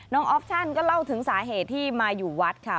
ออฟชั่นก็เล่าถึงสาเหตุที่มาอยู่วัดค่ะ